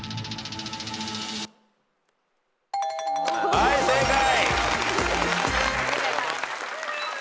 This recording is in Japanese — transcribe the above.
はい正解。